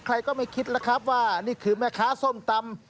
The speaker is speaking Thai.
ใครก็ไม่คิดแล้วครับว่านี่คือแม่ค้าส้มตำ